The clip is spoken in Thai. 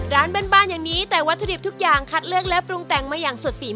แล้วหนังหมูยังได้ฟรีอยู่ไหม